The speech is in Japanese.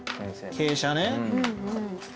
傾斜ね。